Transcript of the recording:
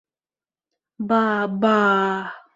— Ба-ба-а!